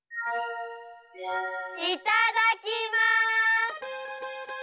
いただきます！